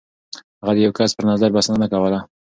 هغه د يو کس پر نظر بسنه نه کوله.